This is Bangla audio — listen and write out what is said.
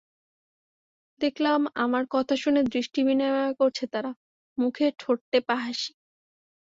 দেখলাম, আমার কথা শুনে দৃষ্টি বিনিময় করছে তারা, মুখে ঠোঁটটেপা হাসি।